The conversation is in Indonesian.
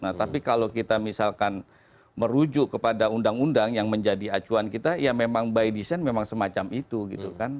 nah tapi kalau kita misalkan merujuk kepada undang undang yang menjadi acuan kita ya memang by design memang semacam itu gitu kan